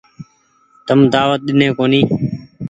تم دآوت ڏيني ڪونيٚ ۔